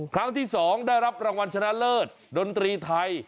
ครั้งที่๒ได้รับรางวัลชนะเลิศดนตรีไทย